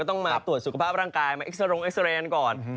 ต้องมาตรวจสุขภาพร่างกายมาเอ็กซารงเอ็กซาเรย์ก่อน